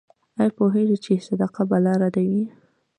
ایا پوهیږئ چې صدقه بلا ردوي؟